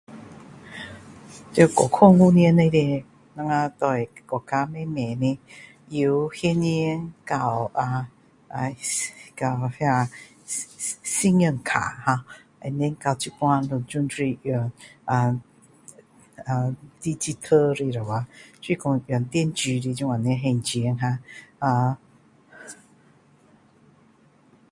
这过去五年里面我们对国家慢慢的由现钱到到啊啊 ei 但到那信信信用卡 and then 到现在都是用啊啊啊 digital 的了啊就是说用电子的这样还钱了啊呃